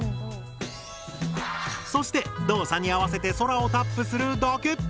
そして動作に合わせて空をタップするだけ！